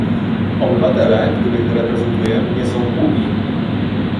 Obywatele, których reprezentuję nie są głupi